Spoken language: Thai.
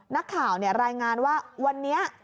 นักข่าวนี่รายงานว่าวันนี้